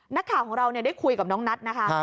นักข่าวของเราได้คุยกับน้องนัทนะคะ